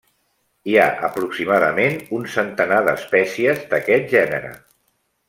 Hi ha aproximadament un centenar d'espècies d'aquest gènere.